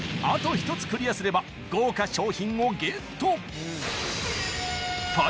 あと１つクリアすれば豪華賞品をＧＥＴ！